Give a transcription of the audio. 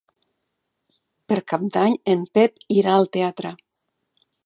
Per Cap d'Any en Pep irà al teatre.